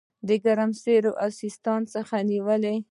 ګرمسېر او سیستان څخه نیولې.